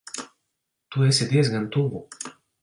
Tu esi diezgan tuvu.